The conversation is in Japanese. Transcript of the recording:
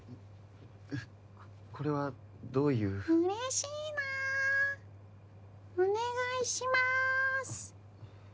これはどういう嬉しいなお願いします